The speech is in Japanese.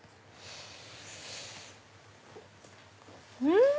うん！